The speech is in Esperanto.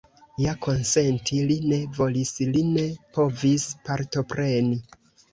Ja konsenti li ne volis, li ne povis partopreni.